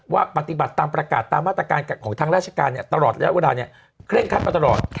ว่าปฏิบัติตามประกาศตามมาตรการของทางราชการเนี่ยเคร่งคัดมาตลอด